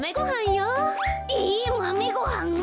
えマメごはん？